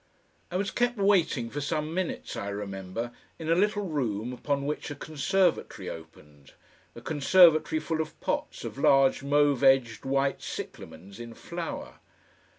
I was kept waiting for some minutes, I remember, in a little room upon which a conservatory opened, a conservatory full of pots of large mauve edged, white cyclamens in flower.